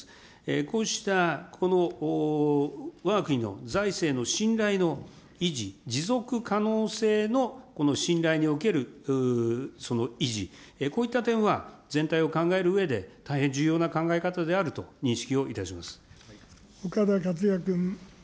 こうしたこのわが国の財政の信頼の維持、持続可能性のこの信頼における維持、こういった点は、全体を考えるうえで、大変重要な考え方であると認識をしております。